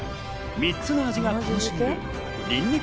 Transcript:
３つの味が重なるニンニク